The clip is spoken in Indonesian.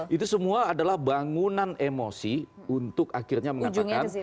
itu semua adalah bangunan emosi untuk akhirnya mengatakan